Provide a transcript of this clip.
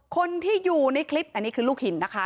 คนที่อยู่ในคลิปอันนี้คือลูกหินนะคะ